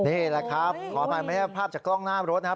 นี่แหละครับขอถามภาพจากกล้องหน้ารถนะครับ